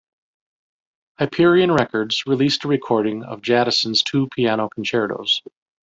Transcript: Hyperion Records released a recording of Jadassohn's two piano concertos.